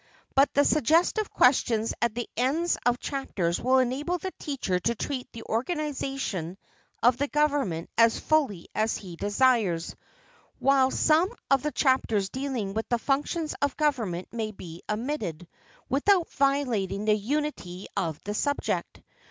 But the suggestive questions at the ends of chapters will enable the teacher to treat of the organization of the government as fully as he desires, while some of the chapters dealing with the functions of government may be omitted without violating the unity of the subject.